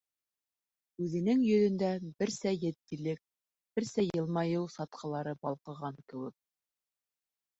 Үҙенең йөҙөндә берсә етдилек, берсә йылмайыу сатҡылары балҡыған кеүек.